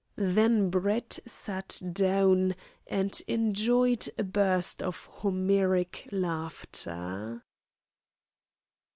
Then Brett sat down and enjoyed a burst of Homeric laughter.